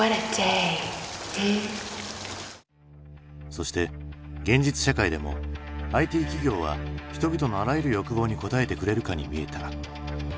そして現実社会でもＩＴ企業は人々のあらゆる欲望に応えてくれるかにみえた。